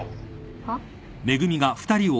・はっ？